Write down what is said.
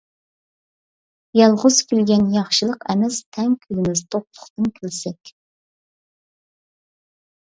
يالغۇز كۈلگەن ياخشىلىق ئەمەس، تەڭ كۈلىمىز توقلۇقتىن كۈلسەك.